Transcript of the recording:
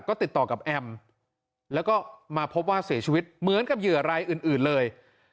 ก็ติดต่อกับแอมแล้วก็มาพบว่าเสียชีวิตเหมือนกับเหยื่อรายอื่นเลย